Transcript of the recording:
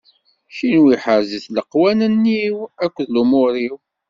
Kenwi ḥerzet leqwanen-iw akked lumuṛ-iw.